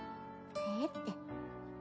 ええって。